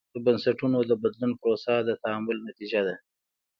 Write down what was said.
د بنسټونو د بدلون پروسه د تعامل نتیجه ده.